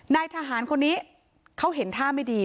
นายทหารคนนี้เขาเห็นท่าไม่ดี